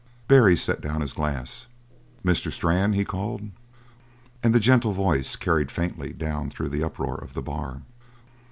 Barry set down his glass. "Mr. Strann?" he called. And the gentle voice carried faintly down through the uproar of the bar.